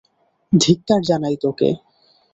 ধিক্কার জানাই তোকে!